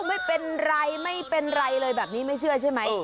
ไม่เป็นไรไม่เป็นไรเลยแบบนี้ไม่เชื่อใช่ไหม